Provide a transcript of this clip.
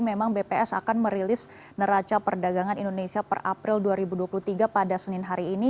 memang bps akan merilis neraca perdagangan indonesia per april dua ribu dua puluh tiga pada senin hari ini